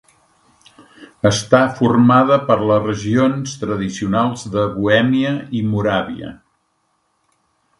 Està formada per les regions tradicionals de Bohèmia i Moràvia.